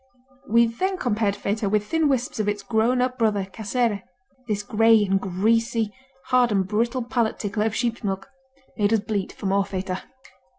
We then compared Feta with thin wisps of its grown up brother, Casere. This gray and greasy, hard and brittle palate tickler of sheep's milk made us bleat for more Feta.